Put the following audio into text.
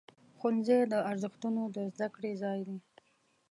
ښوونځی د ارزښتونو د زده کړې ځای دی.